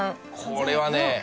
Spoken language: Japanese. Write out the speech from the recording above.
これはね。